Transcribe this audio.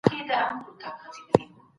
زه اوس د سبا لپاره د هنرونو تمرين کوم.